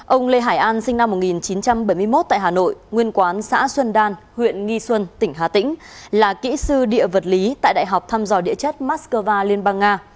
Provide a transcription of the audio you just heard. ông lê hải an sinh năm một nghìn chín trăm bảy mươi một tại hà nội nguyên quán xã xuân đan huyện nghi xuân tỉnh hà tĩnh là kỹ sư địa vật lý tại đại học thăm dò địa chất moscow liên bang nga